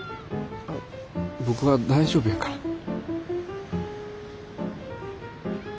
僕は大丈夫やから。